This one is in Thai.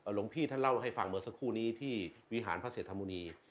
หลวงพี่ท่านเล่าให้ฟังเมื่อสักครู่นี้ที่วิหารพระเศรษฐมุณี